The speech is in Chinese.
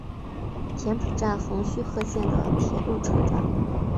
田浦站横须贺线的铁路车站。